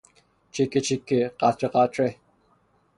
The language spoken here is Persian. چکه چکه، قطره قطره